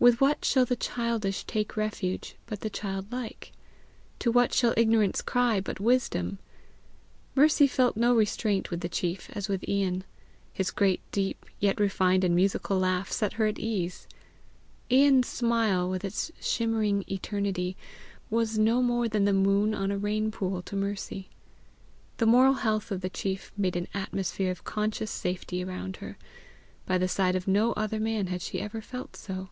with what shall the childish take refuge but the childlike? to what shall ignorance cry but wisdom? Mercy felt no restraint with the chief as with Ian. His great, deep, yet refined and musical laugh, set her at ease. Ian's smile, with its shimmering eternity, was no more than the moon on a rain pool to Mercy. The moral health of the chief made an atmosphere of conscious safety around her. By the side of no other man had she ever felt so.